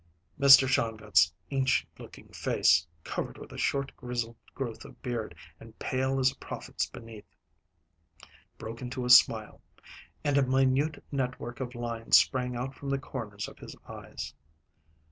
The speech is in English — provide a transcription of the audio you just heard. Mr. Shongut's ancient looking face, covered with a short, grizzled growth of beard and pale as a prophet's beneath, broke into a smile, and a minute network of lines sprang out from the corners of his eyes.